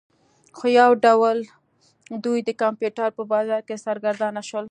خو یو ډول دوی د کمپیوټر په بازار کې سرګردانه شول